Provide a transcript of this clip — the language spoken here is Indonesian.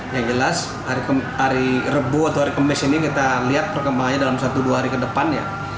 yang jelas hari rebu atau hari kemis ini kita lihat perkembangannya dalam satu dua hari ke depan ya